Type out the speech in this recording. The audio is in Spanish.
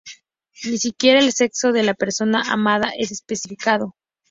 Ni siquiera el sexo de la persona amada es especificado.